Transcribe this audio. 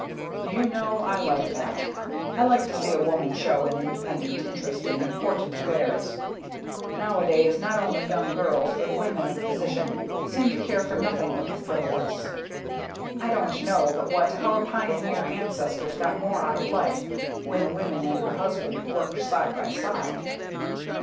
"Do you know, I like it. I like to see a woman show an independent interest in important affairs. Nowadays not only young girls but women of position seem to care for nothing but the frivolous. I don't know but what our pioneer ancestors got more out of life, when the woman and her husband worked side by side."